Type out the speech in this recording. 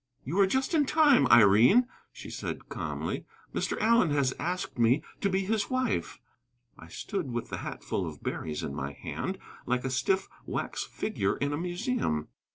"You are just in time, Irene," she said calmly; "Mr. Allen has asked me to be his wife." I stood, with the hatful of berries in my hand, like a stiff wax figure in a museum.